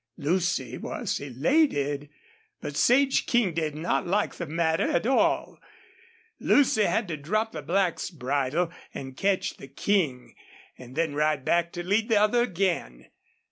Lucy was elated. But Sage King did not like the matter at all. Lucy had to drop the black's bridle and catch the King, and then ride back to lead the other again.